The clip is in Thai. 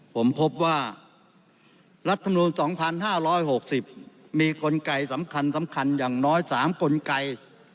ผมพบว่ารัฐมนูล๒๕๖๐มีกลไกสำคัญอย่างน้อย๓กลไก